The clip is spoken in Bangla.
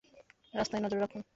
রাস্তায় নজর রাখুন!